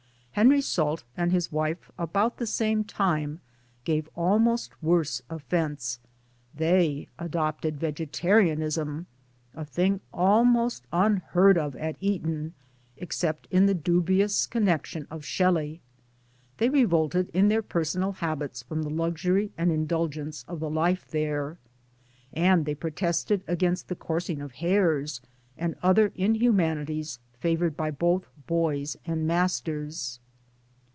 Henry Salt and his wife about the same time gave almost worse offence. They adopted vegetarianism a thing almost unheard of at Eton except in the dubious connection of Shelley ; they revolted in their personal habits from the luxury and indulgence of the life there ; and they protested against the coursing of hares, and other inhumanities favored by both boys and masters.